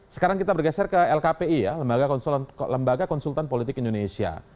sekarang kita bergeser ke lkpi ya lembaga konsultan politik indonesia